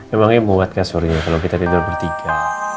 emangnya muat kan soalnya kalo kita tidur bertiga